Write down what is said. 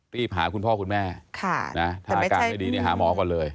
รีบหาคุณพ่อคุณแม่ถ้าอาการไม่ดีหาหมอก่อนเลย